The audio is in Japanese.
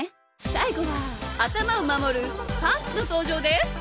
さいごはあたまをまもるパンツのとうじょうです！